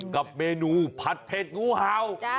กับเมนูผัดเผ็ดงูเห่า